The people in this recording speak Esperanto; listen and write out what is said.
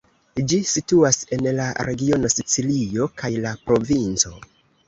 Ĝi situas en la regiono Sicilio kaj la provinco.